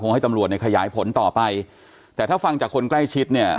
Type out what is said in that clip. ให้ตำรวจเนี่ยขยายผลต่อไปแต่ถ้าฟังจากคนใกล้ชิดเนี่ย